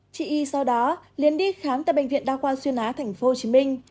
chị y sau đó liên đi khám tại bệnh viện đa khoa xuyên á tp hcm